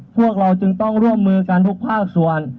พวกเราจึงต้องร่วมมือกันทุกภาคส่วน